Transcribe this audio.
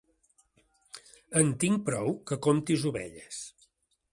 En tinc prou que comptis ovelles.